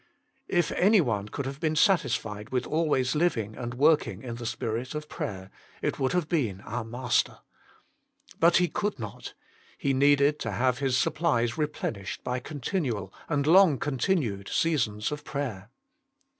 If anyone could have been satisfied with always living and working in the spirit of prayer, it would have been our Master. But He could not; He needed to have His supplies replenished by continual and long continued seasons of prayer.